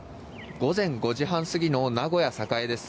午前５時半過ぎの名古屋・栄です。